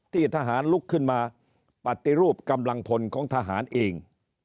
ทหารลุกขึ้นมาปฏิรูปกำลังพลของทหารเอง